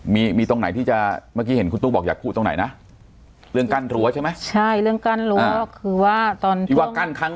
มีมีตรงไหนที่จะเมื่อกี้เห็นคุณตุ๊กบอกอยากพูดตรงไหนนะเรื่องกั้นรั้วใช่ไหมใช่เรื่องกั้นรั้วคือว่าตอนที่ว่ากั้นครั้ง